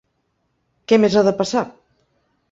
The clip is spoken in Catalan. Què més ha de passar?